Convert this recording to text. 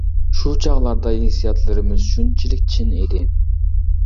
شۇ چاغلاردا ھېسسىياتلىرىمىز شۇنچىلىك چىن ئىدى.